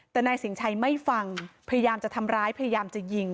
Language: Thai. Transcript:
แต่นายสินชัยไม่ฟังพยายามจะทำร้ายพยายามจะยิง